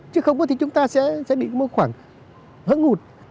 chứ không có thì chúng ta sẽ bị một khoảng hỡng ngụt